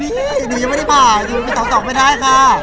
สาวสองพี่หนูยังไม่ได้ผ่าหนูเป็นสาวสองไม่ได้ค่ะ